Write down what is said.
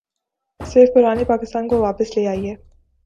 صرف پرانے پاکستان کو واپس لے آئیے۔